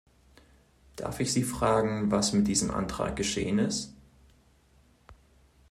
Darf ich Sie fragen, was mit diesem Antrag geschehen ist?